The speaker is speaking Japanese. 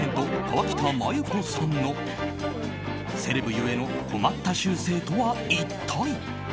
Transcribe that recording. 河北麻友子さんのセレブ故の困った習性とは一体。